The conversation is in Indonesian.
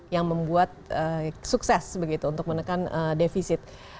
yang membuat sukses begitu untuk menekan defisit